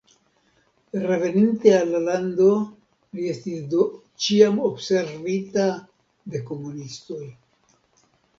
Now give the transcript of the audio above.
Reveninte al la lando li estis do ĉiam observita de komunistoj.